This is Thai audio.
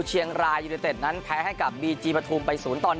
เชียงรายุนิเตศนั้นแพ้ให้กับบีจีปฐูมไป๐๑